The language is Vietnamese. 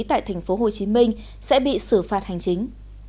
tại tp hcm sẽ bị xử phạt hành chính